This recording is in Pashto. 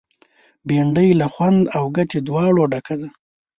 بېنډۍ له خوند او ګټې دواړو ډکه ده